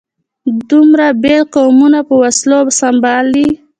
دومره بېل قومونه په وسلو سمبال دي.